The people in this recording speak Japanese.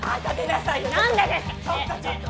ちょっとちょっと！